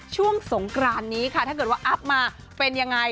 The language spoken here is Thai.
ช่วงสงกรานนี้ค่ะถ้าเกิดว่าอัพมาเป็นยังไง